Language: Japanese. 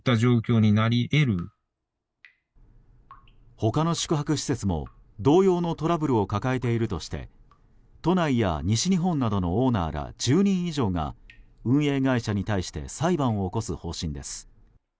他の宿泊施設も、同様のトラブルを抱えているとして都内や西日本などのオーナーら１０人以上が運営会社に対して裁判を起こす方針です。